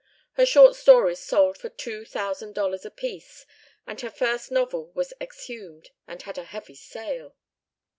Her short stories sold for two thousand dollars apiece, and her first novel was exhumed and had a heavy sale.